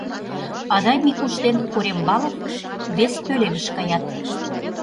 Адай Микуш ден Корембалов вес пӧлемыш каят.